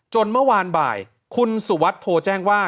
เมื่อวานบ่ายคุณสุวัสดิ์โทรแจ้งว่า